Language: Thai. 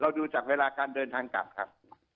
ดูจากเวลาการเดินทางกลับครับ